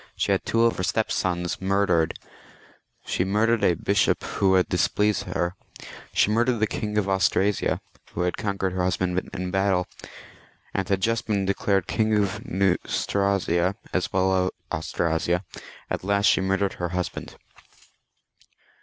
She had two of her stepsons murdered ; she murdered a bishop who had displeased her; she murdered the King of Austrasia, who had conquered her husband in battle, and had just been declared King of Neustria, as well as of Austrasia ; at last she murdered her husband.